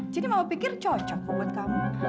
jadi mama pikir cocok kok buat kamu